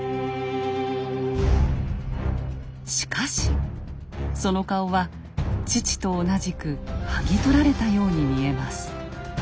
しかしその顔は父と同じくはぎ取られたように見えます。